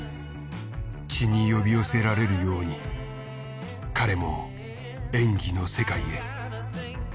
血に呼び寄せられるように彼も演技の世界へ。